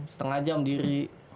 setengah jam diri